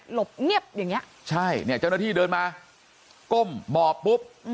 บเงียบอย่างเงี้ยใช่เนี่ยเจ้าหน้าที่เดินมาก้มหมอบปุ๊บ